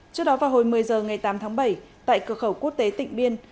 trước đó vào hồi một mươi h ngày tám tháng bảy tại cửa khẩu quốc tế tịnh biên